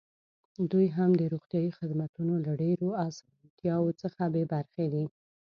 دوی هم د روغتیايي خدمتونو له ډېرو اسانتیاوو څخه بې برخې دي.